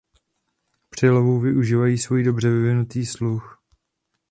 Při lovu využívají svůj dobře vyvinutý sluch.